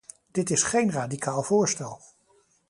Dit is geen radicaal voorstel.